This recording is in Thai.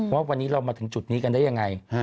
ว่าวันนี้เรามาถึงจุดนี้กันได้ยังไง